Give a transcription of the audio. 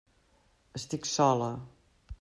Estic sola.